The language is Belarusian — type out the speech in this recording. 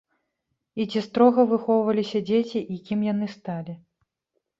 І ці строга выхоўваліся дзеці і кім яны сталі?